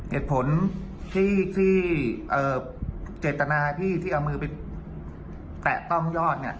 เหตุผลที่เจตนาพี่ที่เอามือไปแตะต้องยอด